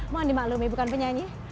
mohon dimaklumi bukan penyanyi